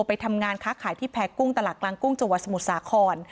ไปทำงานค้าขายที่แพ้กุ้งตลาดกลางกุ้งจังหวัดสมุทรสาคร